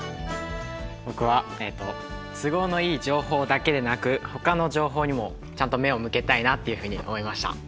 僕はえっと都合のいい情報だけでなく他の情報にもちゃんと目を向けたいなっていうふうに思いました。